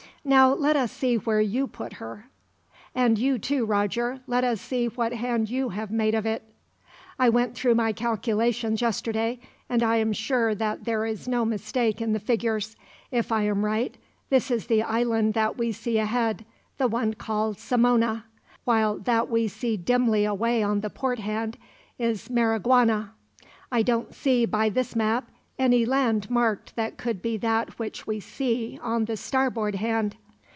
Now let us see where you put her. "And you, too, Roger; let us see what hand you have made of it. "I went through my calculations yesterday, and I am sure that there is no mistake in the figures. If I am right, this is the island that we see ahead, the one called Samona; while that we see dimly away on the port hand is Mariguana. I don't see, by this map, any land marked that could be that which we see on the starboard hand.